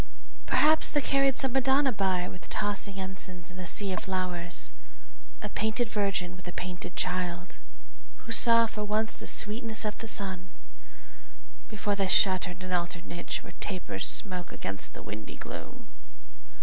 Perhaps they carried some Madonna by With tossing ensigns in a sea of flowers, A painted Virgin with a painted Child, Who saw for once the sweetness of the sun Before they shut her in an altar niche Where tapers smoke against the windy gloom.